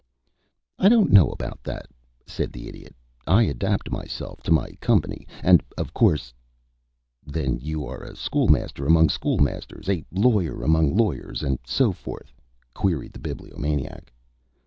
"I don't know about that," said the Idiot. "I adapt myself to my company, and of course " "Then you are a school master among school masters, a lawyer among lawyers, and so forth?" queried the Bibliomaniac.